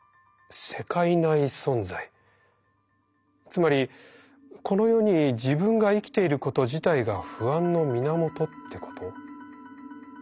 つまりこの世に自分が生きていること自体が不安の源ってこと？